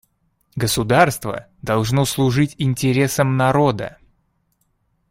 Государство должно служить интересам народа.